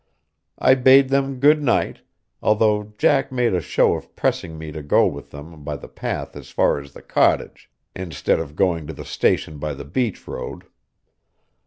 I bade them good night, although Jack made a show of pressing me to go with them by the path as far as the cottage, instead of going to the station by the beach road.